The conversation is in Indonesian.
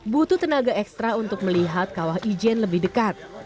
butuh tenaga ekstra untuk melihat kawah ijen lebih dekat